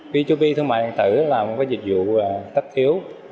b hai b thương mại điện tử là một dịch vụ tất yếu